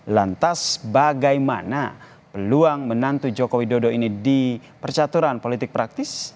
lantas bagaimana peluang menantu joko widodo ini di percaturan politik praktis